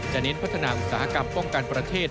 เน้นพัฒนาอุตสาหกรรมป้องกันประเทศ